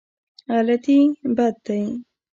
غلطي بد دی.